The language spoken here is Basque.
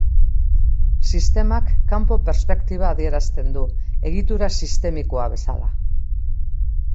Sistemak kanpo perspektiba adierazten du, egitura sistemikoa bezala.